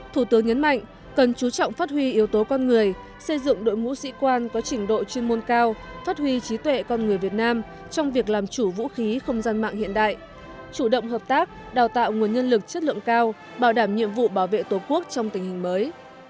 thủ tướng nhấn mạnh cần chú trọng phát huy yếu tố con người xây dựng đội ngũ sĩ quan có trình độ chuyên môn cao phát huy trí tuệ con người việt nam trong việc làm chủ vũ khí không gian mạng hiện đại chủ động hợp tác đào tạo nguồn nhân lực chất lượng cao bảo đảm nhiệm vụ bảo vệ tổ quốc trong tình hình mới